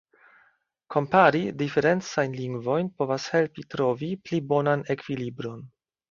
Kompari diferencajn lingvojn povas helpi trovi pli bonan ekvilibron.